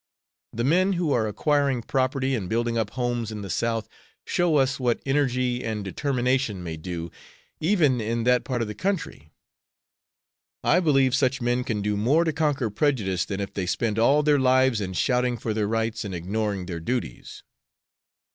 The men who are acquiring property and building up homes in the South show us what energy and determination may do even in that part of the country. I believe such men can do more to conquer prejudice than if they spent all their lives in shouting for their rights and ignoring their duties.